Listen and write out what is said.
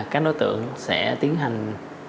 các đối tượng sẽ tiến hành